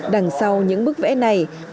đằng sau những bức vẽ này